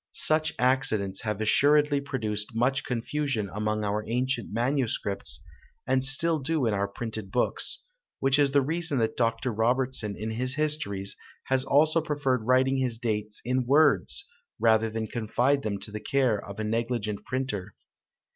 Such accidents have assuredly produced much confusion among our ancient manuscripts, and still do in our printed books; which is the reason that Dr. Robertson in his histories has also preferred writing his dates in words, rather than confide them to the care of a negligent printer.